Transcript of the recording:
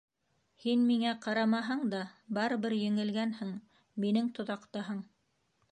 Һин миңә ҡарамаһаң да, барыбер еңелгәнһең, минең тоҙаҡтаһың.